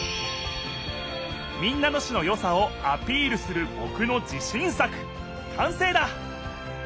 民奈野市のよさをアピールするぼくの自しん作かんせいだ！